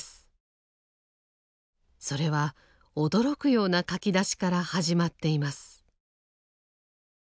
それは驚くような書き出しから始まっています。